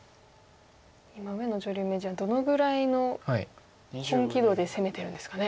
今上野女流名人はどのぐらいの本気度で攻めてるんですかね。